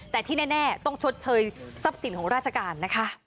แต่ที่แน่ต้องชดเชยทรัพย์สินของราชการนะคะ